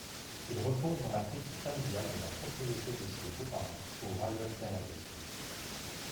Il repose dans la crypte familiale de la propriété de ses beaux-parents au Rayol-Canadel.